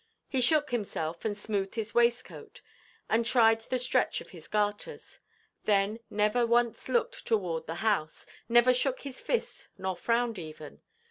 He shook himself, and smoothed his waistcoat, and tried the stretch of his garters; then never once looked toward the house, never shook his fist, nor frowned even.